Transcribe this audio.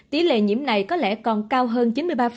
tỷ lệ nhiễm này có lẽ còn cao hơn chín mươi ba